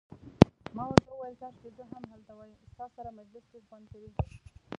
ما ورته وویل: کاشکي زه هم هلته وای، ستا سره مجلس ډیر خوند راکوي.